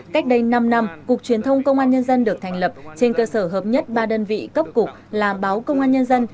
cách đây năm năm cục truyền thông công an nhân dân được thành lập trên cơ sở hợp nhất ba đơn vị cấp cục là báo công an nhân dân